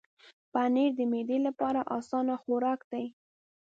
پنېر د معدې لپاره اسانه خوراک دی.